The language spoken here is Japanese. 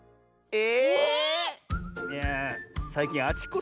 え？